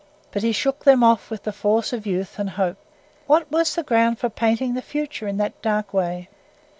But he shook them off with the force of youth and hope. What was the ground for painting the future in that dark way?